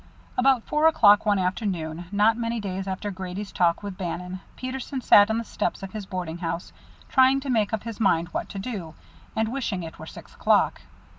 About four o'clock one afternoon, not many days after Grady's talk with Bannon, Peterson sat on the steps of his boarding house, trying to make up his mind what to do, and wishing it were six o'clock.